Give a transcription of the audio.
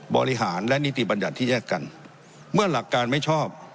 บริหารและนิติบัญญัติที่แยกกันเมื่อหลักการไม่ชอบ